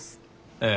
ええ。